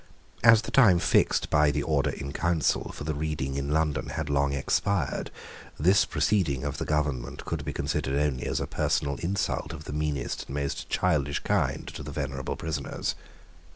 As the time fixed by the Order in Council for the reading in London had long expired, this proceeding of the government could be considered only as a personal insult of the meanest and most childish kind to the venerable prisoners.